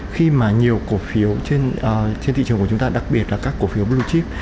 khi mà nhiều cổ phiếu trên thị trường của chúng ta đặc biệt là các cổ phiếu blue chip